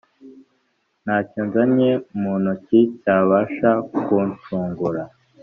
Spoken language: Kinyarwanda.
ntacyonzanye muntoki cyabasha kuncungura